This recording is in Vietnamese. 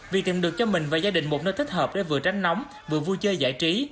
vì tìm được cho mình và gia đình một nơi thích hợp để vừa tránh nóng vừa vui chơi giải trí